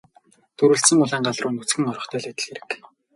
Дүрэлзсэн улаан гал руу нүцгэн орохтой л адил хэрэг.